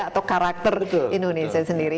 atau karakter indonesia sendiri